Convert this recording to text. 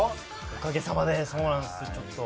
おかげさまでそうなんですよちょっと。